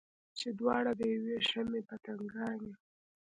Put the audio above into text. چې دواړه د یوې شمعې پتنګان یو.